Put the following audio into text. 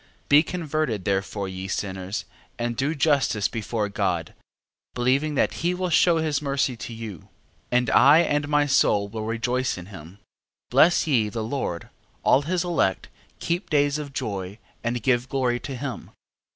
Be converted therefore, ye sinners, and do justice before God, believing that he will shew his mercy to you. 13:9. And I and my soul will rejoice in him. 13:10. Bless ye the Lord, all his elect, keep days of joy, and give glory to him.